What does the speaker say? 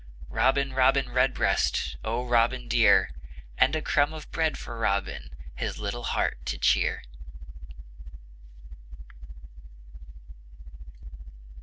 Robin, Robin Redbreast, Oh, Robin, dear! And a crumb of bread for Robin, His little heart to cheer.